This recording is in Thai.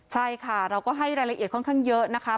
ใช่ค่ะเราก็ให้รายละเอียดค่อนข้างเยอะนะคะ